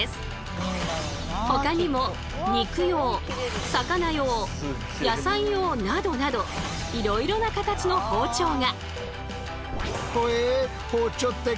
ほかにも肉用魚用野菜用などなどいろいろな形の包丁が。